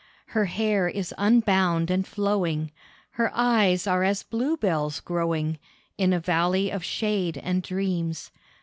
Her hair is unbound and flowing, Her eyes are as bluebells growing In a valley of shade and dreams.